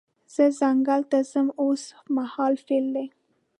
زه ځنګل ته ځم اوس مهال فعل دی.